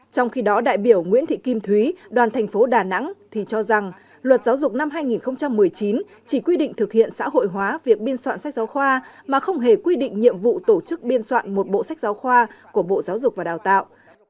trong khi đó đại biểu nguyễn thị kim thúy đoàn thành phố đà nẵng thì cho rằng luật giáo dục năm hai nghìn một mươi chín chỉ quy định thực hiện xã hội hóa việc biên soạn sách giáo khoa mà không hề quy định nhiệm vụ tổ chức biên soạn một bộ sách giáo khoa của bộ giáo dục và đào tạo